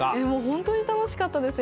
本当に楽しかったです。